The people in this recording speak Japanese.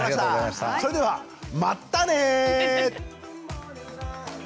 それではまったね！